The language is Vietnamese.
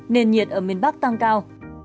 nhiệt độ nhiệt ở miền bắc tăng cao